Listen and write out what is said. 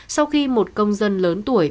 sau khi một công dân lớn tuổi